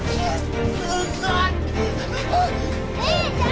姉ちゃん